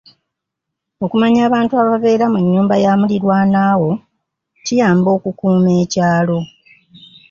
Okumanya abantu ababeera mu nnyumba ya mulirwana wo kiyamba okukuuma ekyalo.